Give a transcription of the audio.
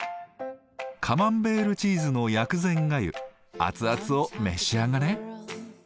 カマンベールチーズの薬膳がゆアツアツを召し上がれ。